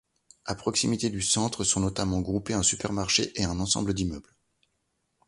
A proximité du centre sont notamment groupés un supermarché et un ensemble d’immeubles.